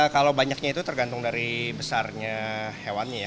kalau banyaknya itu tergantung dari besarnya hewannya ya